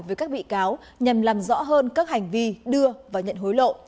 với các bị cáo nhằm làm rõ hơn các hành vi đưa và nhận hối lộ